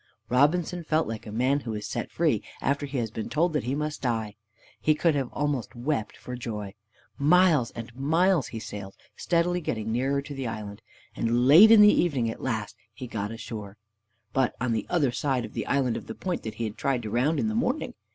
Robinson felt like a man who is set free after he has been told that he must die; he could almost have wept for joy. Miles and miles he sailed, steadily getting nearer to the land, and late in the evening at last he got ashore, but on the other side of the point that he had tried to round in the morning.